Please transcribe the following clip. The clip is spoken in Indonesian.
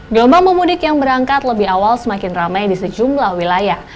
gelombang pemudik yang berangkat lebih awal semakin ramai di sejumlah wilayah